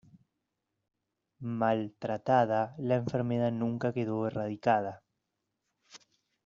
Mal tratada, la enfermedad nunca quedó erradicada.